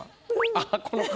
あっこの顔。